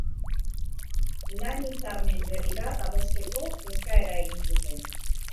Lan Hitzarmen berri bat adosteko eskaera egin zuten.